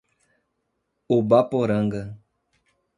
Ubaporanga